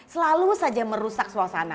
selalu saja merusak suasana